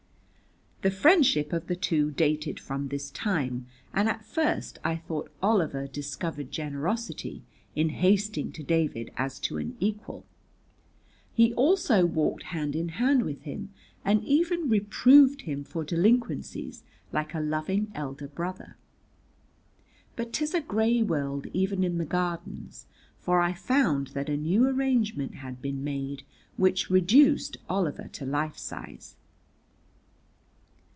The friendship of the two dated from this time, and at first I thought Oliver discovered generosity in hasting to David as to an equal; he also walked hand in hand with him, and even reproved him for delinquencies like a loving elder brother. But 'tis a gray world even in the Gardens, for I found that a new arrangement had been made which reduced Oliver to life size.